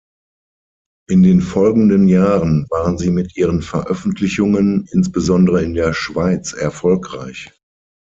In den folgenden Jahren waren sie mit ihren Veröffentlichungen insbesondere in der Schweiz erfolgreich.